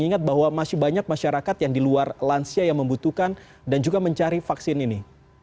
ingat bahwa masih banyak masyarakat yang di luar lansia yang membutuhkan dan juga mencari vaksin ini